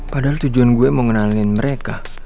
padahal tujuan gue mau ngenalin mereka